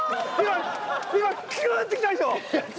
今キュンって来たでしょ？